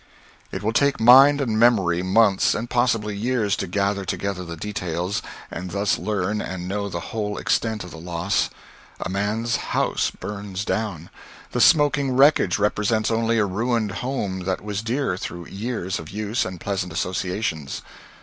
It will take mind and memory months, and possibly years, to gather together the details, and thus learn and know the whole extent of the loss. A man's house burns down. The smoking wreckage represents only a ruined home that was dear through years of use and pleasant associations.